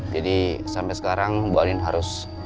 jadi sampai sekarang bu andin harus